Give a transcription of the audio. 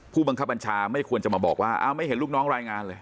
ผู้บังคับบัญชาไม่ควรจะมาบอกว่าอ้าวไม่เห็นลูกน้องรายงานเลย